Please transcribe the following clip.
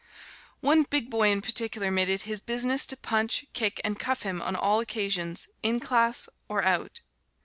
One big boy in particular made it his business to punch, kick and cuff him on all occasions, in class or out.